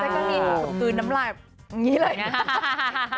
แต่ก็มีตรงตื่นน้ำลายอย่างงี้เลยนะ